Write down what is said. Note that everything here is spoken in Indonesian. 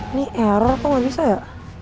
ini error kok gak bisa ya